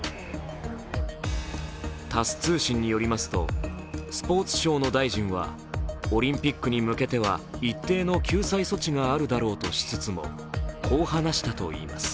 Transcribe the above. タス通信によりますと、スポーツ省の大臣はオリンピックに向けては一定の救済措置があるだろうとしつつもこう話したといいます。